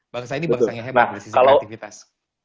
bangsa ini bangsa yang hebat dari sisi kreativitas